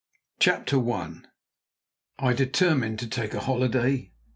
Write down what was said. CHAPTER I I DETERMINE TO TAKE A HOLIDAY.